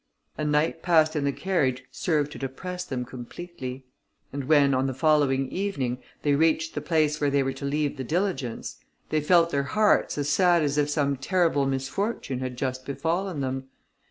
A night passed in the carriage served to depress them completely; and when, on the following evening, they reached the place where they were to leave the diligence, they felt their hearts as sad as if some terrible misfortune had just befallen them.